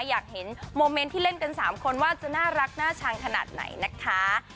อยากเห็นโมเมนต์ที่เล่นกัน๓คนว่าจะน่ารักน่าชังขนาดไหนนะคะ